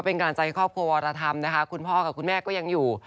เป็นกรรจายครอบครัวราธรรมคุณพ่อกับคุณแม่ก็ยังอยู่